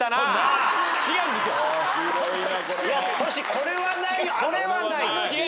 あれはない。